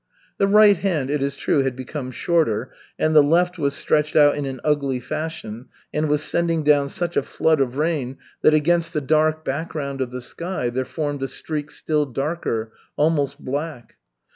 The right hand, it is true, had become shorter, and the left was stretched out in an ugly fashion and was sending down such a flood of rain that against the dark background of the sky there formed a streak still darker, almost black.